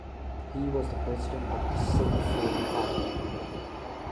He was the President of the Civic Forum party.